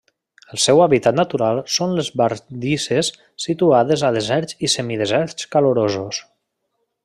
El seu hàbitat natural són les bardisses situades a deserts i semideserts calorosos.